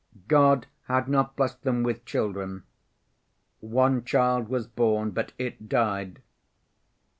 God had not blessed them with children. One child was born but it died.